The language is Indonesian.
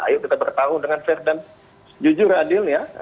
ayo kita bertarung dengan fair dan jujur adil ya